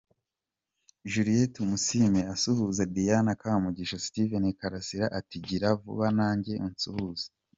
Juliet Tumusiime asuhuza Diana Kamugisha, Steven Karasira ati 'gira vuba nanjye unsuhuze'.